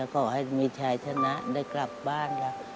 ขอให้มีชายชนะได้กลับบ้านค่ะ